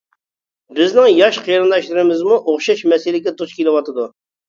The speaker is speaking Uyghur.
بىزنىڭ ياش قېرىنداشلىرىمىزمۇ ئوخشاش مەسىلىگە دۇچ كېلىۋاتىدۇ.